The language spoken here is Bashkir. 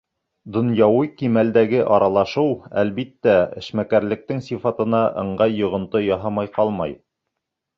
Донъяуи кимәлдәге аралашыу, әлбиттә, эшмәкәрлектең сифатына ыңғай йоғонто яһамай ҡалмай.